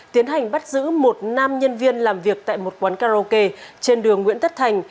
tiến hành bắt giữ một nam nhân viên làm việc tại một quán karaoke trên đường nguyễn tất thành